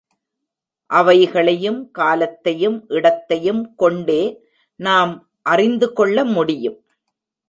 அவைகளையும் காலத்தையும் இடத்தையும் கொண்டே நாம் அறிந்துகொள்ள முடியும்.